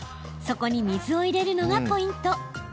そこに水を入れるのがポイント。